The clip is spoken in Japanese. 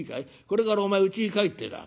これからお前うちに帰ってだ